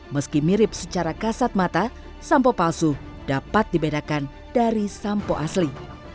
meski mirip secara kasat mata sampo palsu dapat dibedakan dari sampo asli